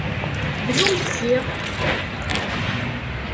Dlumt ziɣ.